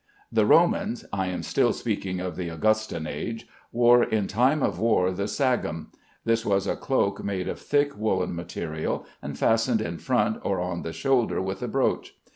The Romans (I am still speaking of the Augustan age) wore in time of war the "sagum." This was a cloak made of thick woollen material, and fastened in front or on the shoulder with a brooch.